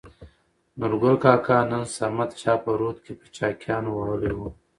نورګل کاکا : نن صمد چا په رود کې په چاقيانو ووهلى.